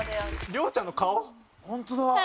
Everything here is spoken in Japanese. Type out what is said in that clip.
涼ちゃんの顔。